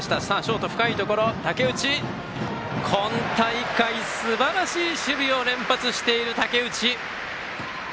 今大会、すばらしい守備を連発している、竹内！